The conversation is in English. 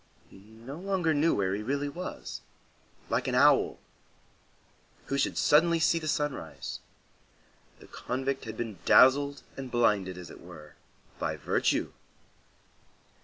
He no longer knew where he really was. Like an owl, who should suddenly see the sun rise, the convict had been dazzled and blinded, as it were, by virtue.